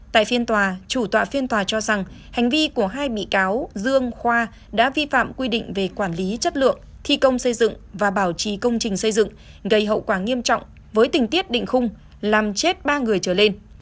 tại phiên tòa chủ tọa phiên tòa cho rằng hành vi của hai bị cáo dương khoa đã vi phạm quy định về quản lý chất lượng thi công xây dựng và bảo trì công trình xây dựng gây hậu quả nghiêm trọng với tình tiết định khung làm chết ba người trở lên